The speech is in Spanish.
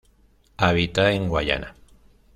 Habita en Guayana.